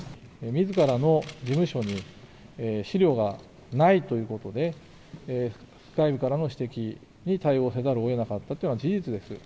みずからの事務所に資料がないということで、外部からの指摘に対応せざるをえなかったというのは事実です。